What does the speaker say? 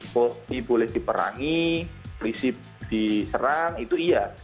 bahwa ini boleh diperangi prinsip diserang itu iya